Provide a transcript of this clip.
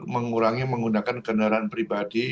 mengurangi menggunakan kendaraan pribadi